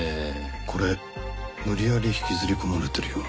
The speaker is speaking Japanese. これ無理やり引きずり込まれてるような。